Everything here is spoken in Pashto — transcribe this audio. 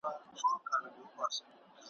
یو شمس الدین وم په کندهار کي ,